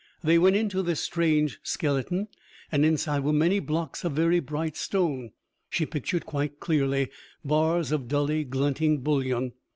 They went into this strange skeleton, and inside were many blocks of very bright stone." She pictured quite clearly bars of dully glinting bullion.